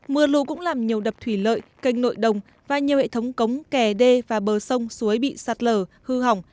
mưa lũ cũng làm nhiều đập thủy lợi kênh nội đồng và nhiều hệ thống cống kẻ đê và bờ sông suối bị sạt lở hư hỏng